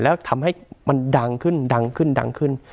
แล้วทำให้มันดังขึ้นดังขึ้นดังขึ้น